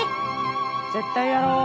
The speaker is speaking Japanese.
絶対やろう。